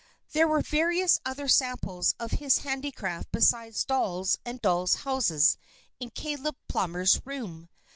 There were various other samples of his handicraft besides dolls and dolls' houses in Caleb Plummer's room.